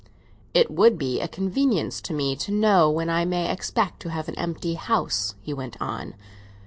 "It would be a convenience to me to know when I may expect to have an empty house," he went on.